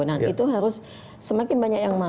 nah itu harus semakin banyak yang mau